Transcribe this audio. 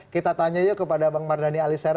kita tanya yuk kepada bang mardhani alisera